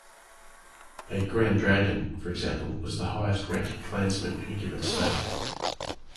A "Grand Dragon", for example, was the highest-ranking Klansman in a given state.